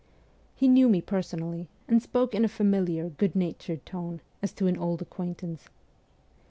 He knew me personally, and spoke in a familiar, good natured tone, as to an old acquaintance.